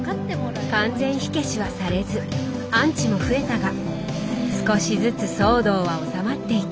完全火消しはされずアンチも増えたが少しずつ騒動は収まっていき。